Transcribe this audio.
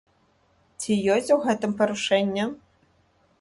Ці ёсць у гэтым парушэнне?